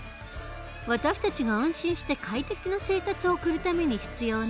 私たちが安心して快適な生活を送るために必要な公共サービス。